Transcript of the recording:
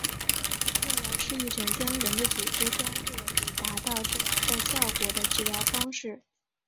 热疗是一种将人的组织加热以达到治疗的效果的治疗方式。